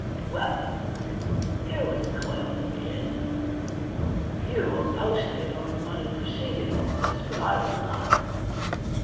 Well, here was a coil to be in ! You are posted on what had preceded all this, but I was not.